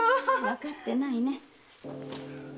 わかってないね。